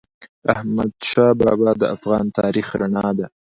احمدشاه بابا د افغان تاریخ رڼا ده.